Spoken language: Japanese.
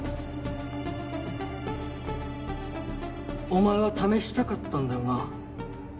お前は試したかったんだよな？